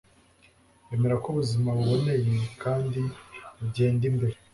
emera ko ubuzima buboneye kandi ugende imbere